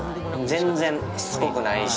全然しつこくないし。